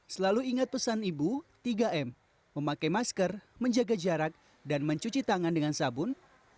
selalu ingat pesan ibu tiga m memakai masker menjaga jarak dan mencuci tangan dengan sabun